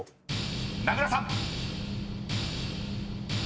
［名倉さん］